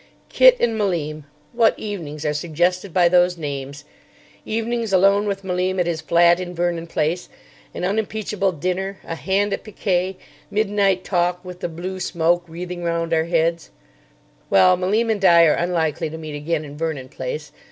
Kit and Malim—what evenings are suggested by those names. Evenings alone with Malim at his flat in Vernon Place. An unimpeachable dinner, a hand at picquet, midnight talk with the blue smoke wreathing round our heads. Well, Malim and I are unlikely to meet again in Vernon Place.